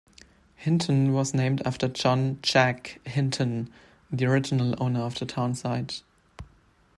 Hinton was named after John "Jack" Hinton, the original owner of the town site.